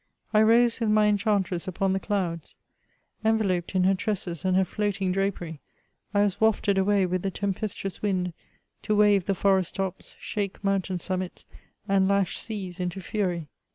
I rose with my enchantress upon the clouds ; enve* loped in her tresses and her floating drapery, I was wafted away with the tempestuous wind, to wave the forest tops, shake mountain summits^ and lash seas into fury.